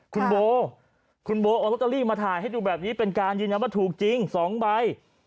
คุณโบคุณโบเอาลอตเตอรี่มาถ่ายให้ดูแบบนี้เป็นการยืนยันว่าถูกจริง๒ใบ